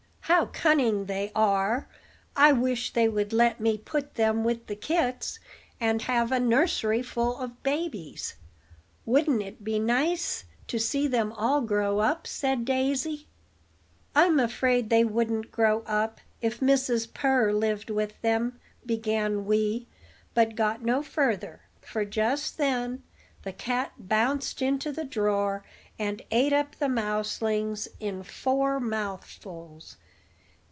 "How cunning they are! I wish they would let me put them with the kits, and have a nursery full of babies. Wouldn't it be nice to see them all grow up?" said Daisy. "I'm afraid they wouldn't grow up, if Mrs. Purr lived with them," began Wee, but got no further; for just then the cat bounced into the drawer, and ate up the mouselings in four mouthfuls.